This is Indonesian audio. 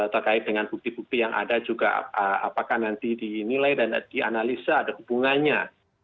terkait dengan bukti bukti yang ada juga apakah nanti dinilai dan dianalisa ada hubungannya